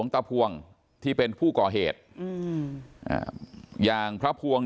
ทั้งทั้งที่ทั้งคู่ก็ถือว่าเป็นพระชราภาพกันแล้ว